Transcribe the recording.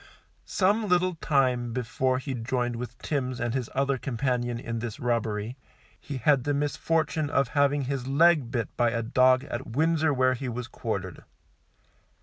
Some little time before he joined with Timms and his other companion in this robbery, he had the misfortune of having his leg bit by a dog at Windsor, where he was quartered.